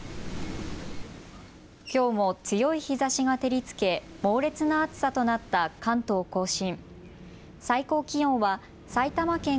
きょうも強い日ざしが照りつけ猛烈な暑さとなった関東甲信。